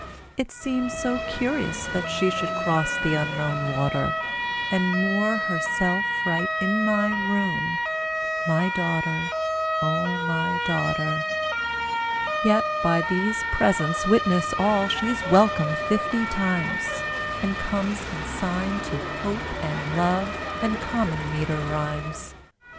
It seemed so curious that she Should cross the Unknown water, And moor herself right in my room, My daughter, O my daughter! Yet by these presents witness all She's welcome fifty times, And comes consigned to Hope and Love And common meter rhymes.